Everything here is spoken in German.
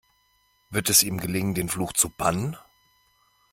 Wird es ihm gelingen, den Fluch zu bannen?